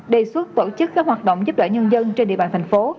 đề xuất tổ chức các hoạt động giúp đỡ nhân dân trên địa bàn thành phố